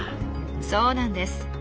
そうなんです。